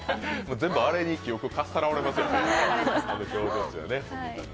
全部あれに記憶をかっさらわれますよね。